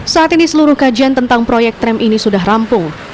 saat ini seluruh kajian tentang proyek tram ini sudah rampung